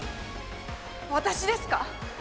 私ですか？